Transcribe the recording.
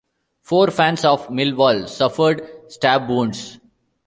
Four fans of Millwall suffered stab wounds.